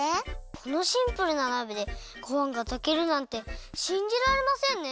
このシンプルな鍋でごはんがたけるなんてしんじられませんね！